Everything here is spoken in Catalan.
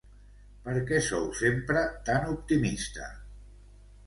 Per què sou sempre tan optimista?